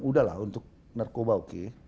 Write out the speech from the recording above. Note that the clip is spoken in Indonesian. udahlah untuk narkoba oke